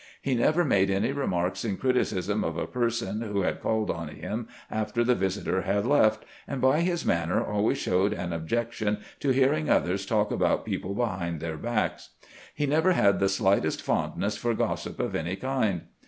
He never made any remarks in criticism of a person who had called on him after the visitor had left, and by his manner always showed an objection to hearing others talk about people behind their backs. He never had the slightest fondness for gossip of any kind.